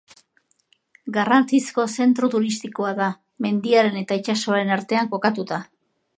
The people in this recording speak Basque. Garrantzizko zentro turistikoa da, mendiaren eta itsasoaren artean kokatuta.